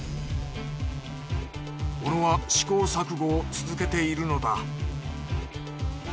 小野は試行錯誤を続けているのだ。